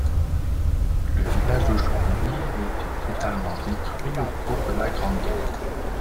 Le village d'Auchonvillers a été totalement détruit au cours de la Grande Guerre.